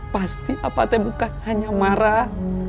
pasti apatnya bukan hanya marah